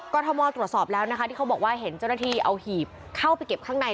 ก็ทมตรวจสอบแล้วนะคะที่เขาบอกว่าเห็นเจ้าหน้าที่เอาหีบเข้าไปเก็บข้างใน